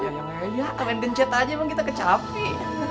yayang eya main main chat aja bang kita kecapi